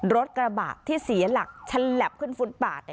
รถกระบะที่เสียหลักฉลับขึ้นฟุตปาด